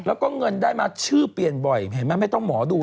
แล้วก็เงินได้มาชื่อเปลี่ยนบ่อยเห็นไหมไม่ต้องหมอดู